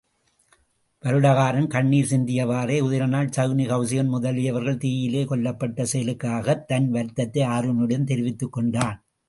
வருடகாரன் கண்ணிர் சிந்தியவாறே, உதயணனால் சகுனி கெளசிகன் முதலியவர்கள் தீயிலே கொல்லப்பட்ட செயலுக்காகத் தன் வருத்தத்தை ஆருணியிடம் தெரிவித்துக்கொண்டான்.